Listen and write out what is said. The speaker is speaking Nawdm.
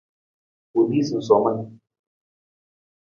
U lii sunsomin.